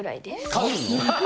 買う！